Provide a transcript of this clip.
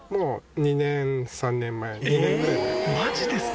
マジですか？